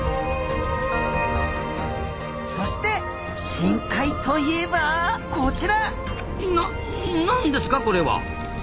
そして深海といえばこちらな何ですかこれは？